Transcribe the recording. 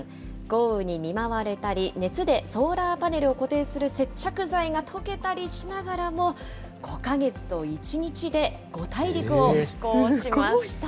豪雨に見舞われたり、熱でソーラーパネルを固定する接着剤が溶けたりしながらも、５か月と１日で５大陸を飛行しました。